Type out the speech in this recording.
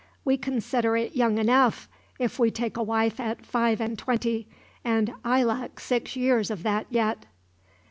We consider it young enough, if we take a wife at five and twenty; and I lack six years of that, yet."